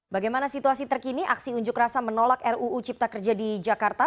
bagaimana situasi terkini aksi unjuk rasa menolak ruu cipta kerja di jakarta